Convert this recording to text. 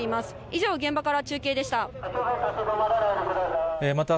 以上、現場から中継でした。